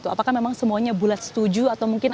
apakah memang semuanya bulat setuju atau mungkin